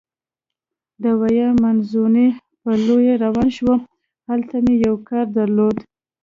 د ویا مانزوني په لورې روان شوم، هلته مې یو کار درلود.